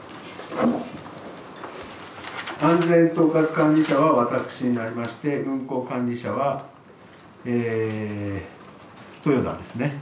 安全統括管理者は私になりまして、運航管理者は豊田ですね。